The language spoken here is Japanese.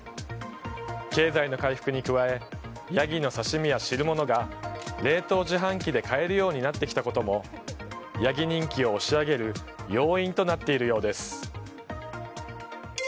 経済の回復に加えヤギの刺し身や汁物が冷凍自販機で買えるようになってきたこともヤギ人気を押し上げる要因となっているようです。